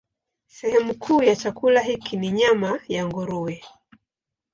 Sehemu kuu ya chakula hiki ni nyama ya nguruwe.